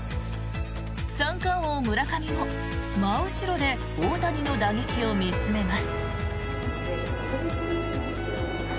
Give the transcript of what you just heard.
三冠王、村上も真後ろで大谷の打撃を見つめます。